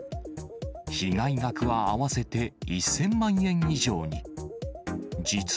被害額は合わせて１０００万円以上に。